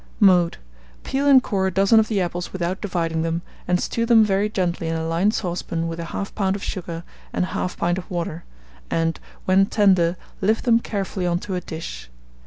Mode. Peel and core a dozen of the apples without dividing them, and stew them very gently in a lined saucepan with 1/2 lb. of sugar and 1/2 pint of water, and when tender, lift them carefully on to a dish.